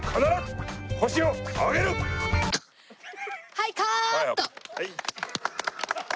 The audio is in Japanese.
はいカーット！